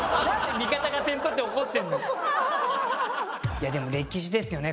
いやでも歴史ですよね。